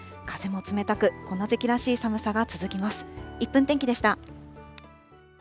風も冷たく、この時期らしい寒さが続きます。